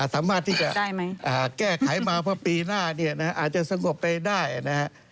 สามารถที่จะแก้ไขมาเพราะปีหน้าเนี่ยนะฮะอาจจะสงบไปได้นะครับ